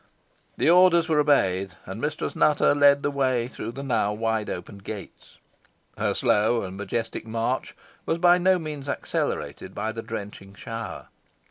The orders were obeyed, and Mistress Nutter led the way through the now wide opened gates; her slow and majestic march by no means accelerated by the drenching shower.